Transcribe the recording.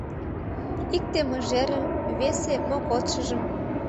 Икте — мыжерым, весе — мо кодшыжым.